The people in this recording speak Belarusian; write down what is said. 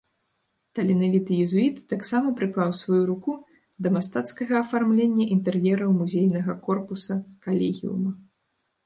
Таленавіты езуіт таксама прыклаў сваю руку да мастацкага афармлення інтэр'ераў музейнага корпуса калегіума.